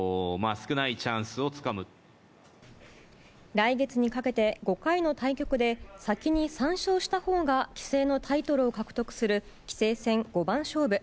来月にかけて５回の対局で先に３勝したほうが棋聖のタイトルを獲得する棋聖戦五番勝負。